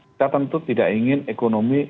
kita tentu tidak ingin ekonomi